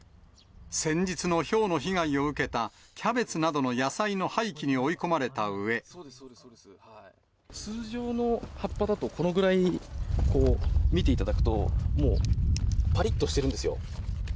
先日のひょうの被害を受けたキャベツなどの野菜の廃棄に追い込ま通常の葉っぱだと、このぐらい、こう、見ていただくと、もうぱりっとしてるんですよ。